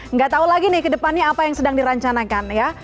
nggak tahu lagi nih ke depannya apa yang sedang dirancanakan ya